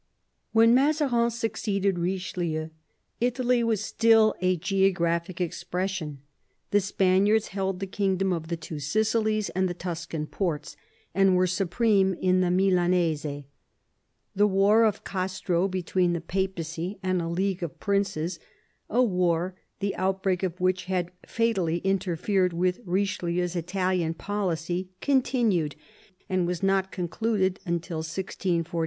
When Mazarin succeeded Eichelieu, Italy was still a geographical expression. The Spaniards held the king dom of the Two Sicilies and the Tuscan ports, and were supreme in the Milanese. The war of Castro between the papacy and a league of princes — a war the outbreak of which had fatally interfered with Richelieu's Italian policy — continued, and was not concluded till 1644.